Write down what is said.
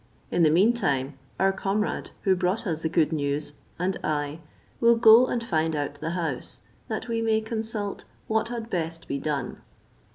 In the mean time our comrade, who brought us the good news, and I, will go and find out the house, that we may consult what had best be done."